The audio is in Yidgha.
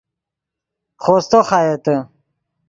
خوستو خایتے